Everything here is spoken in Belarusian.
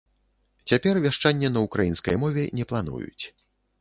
Цяпер вяшчанне на ўкраінскай мове не плануюць.